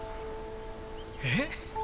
えっ？